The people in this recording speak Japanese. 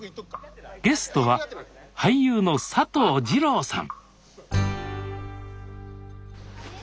ゲストは俳優の佐藤二朗さん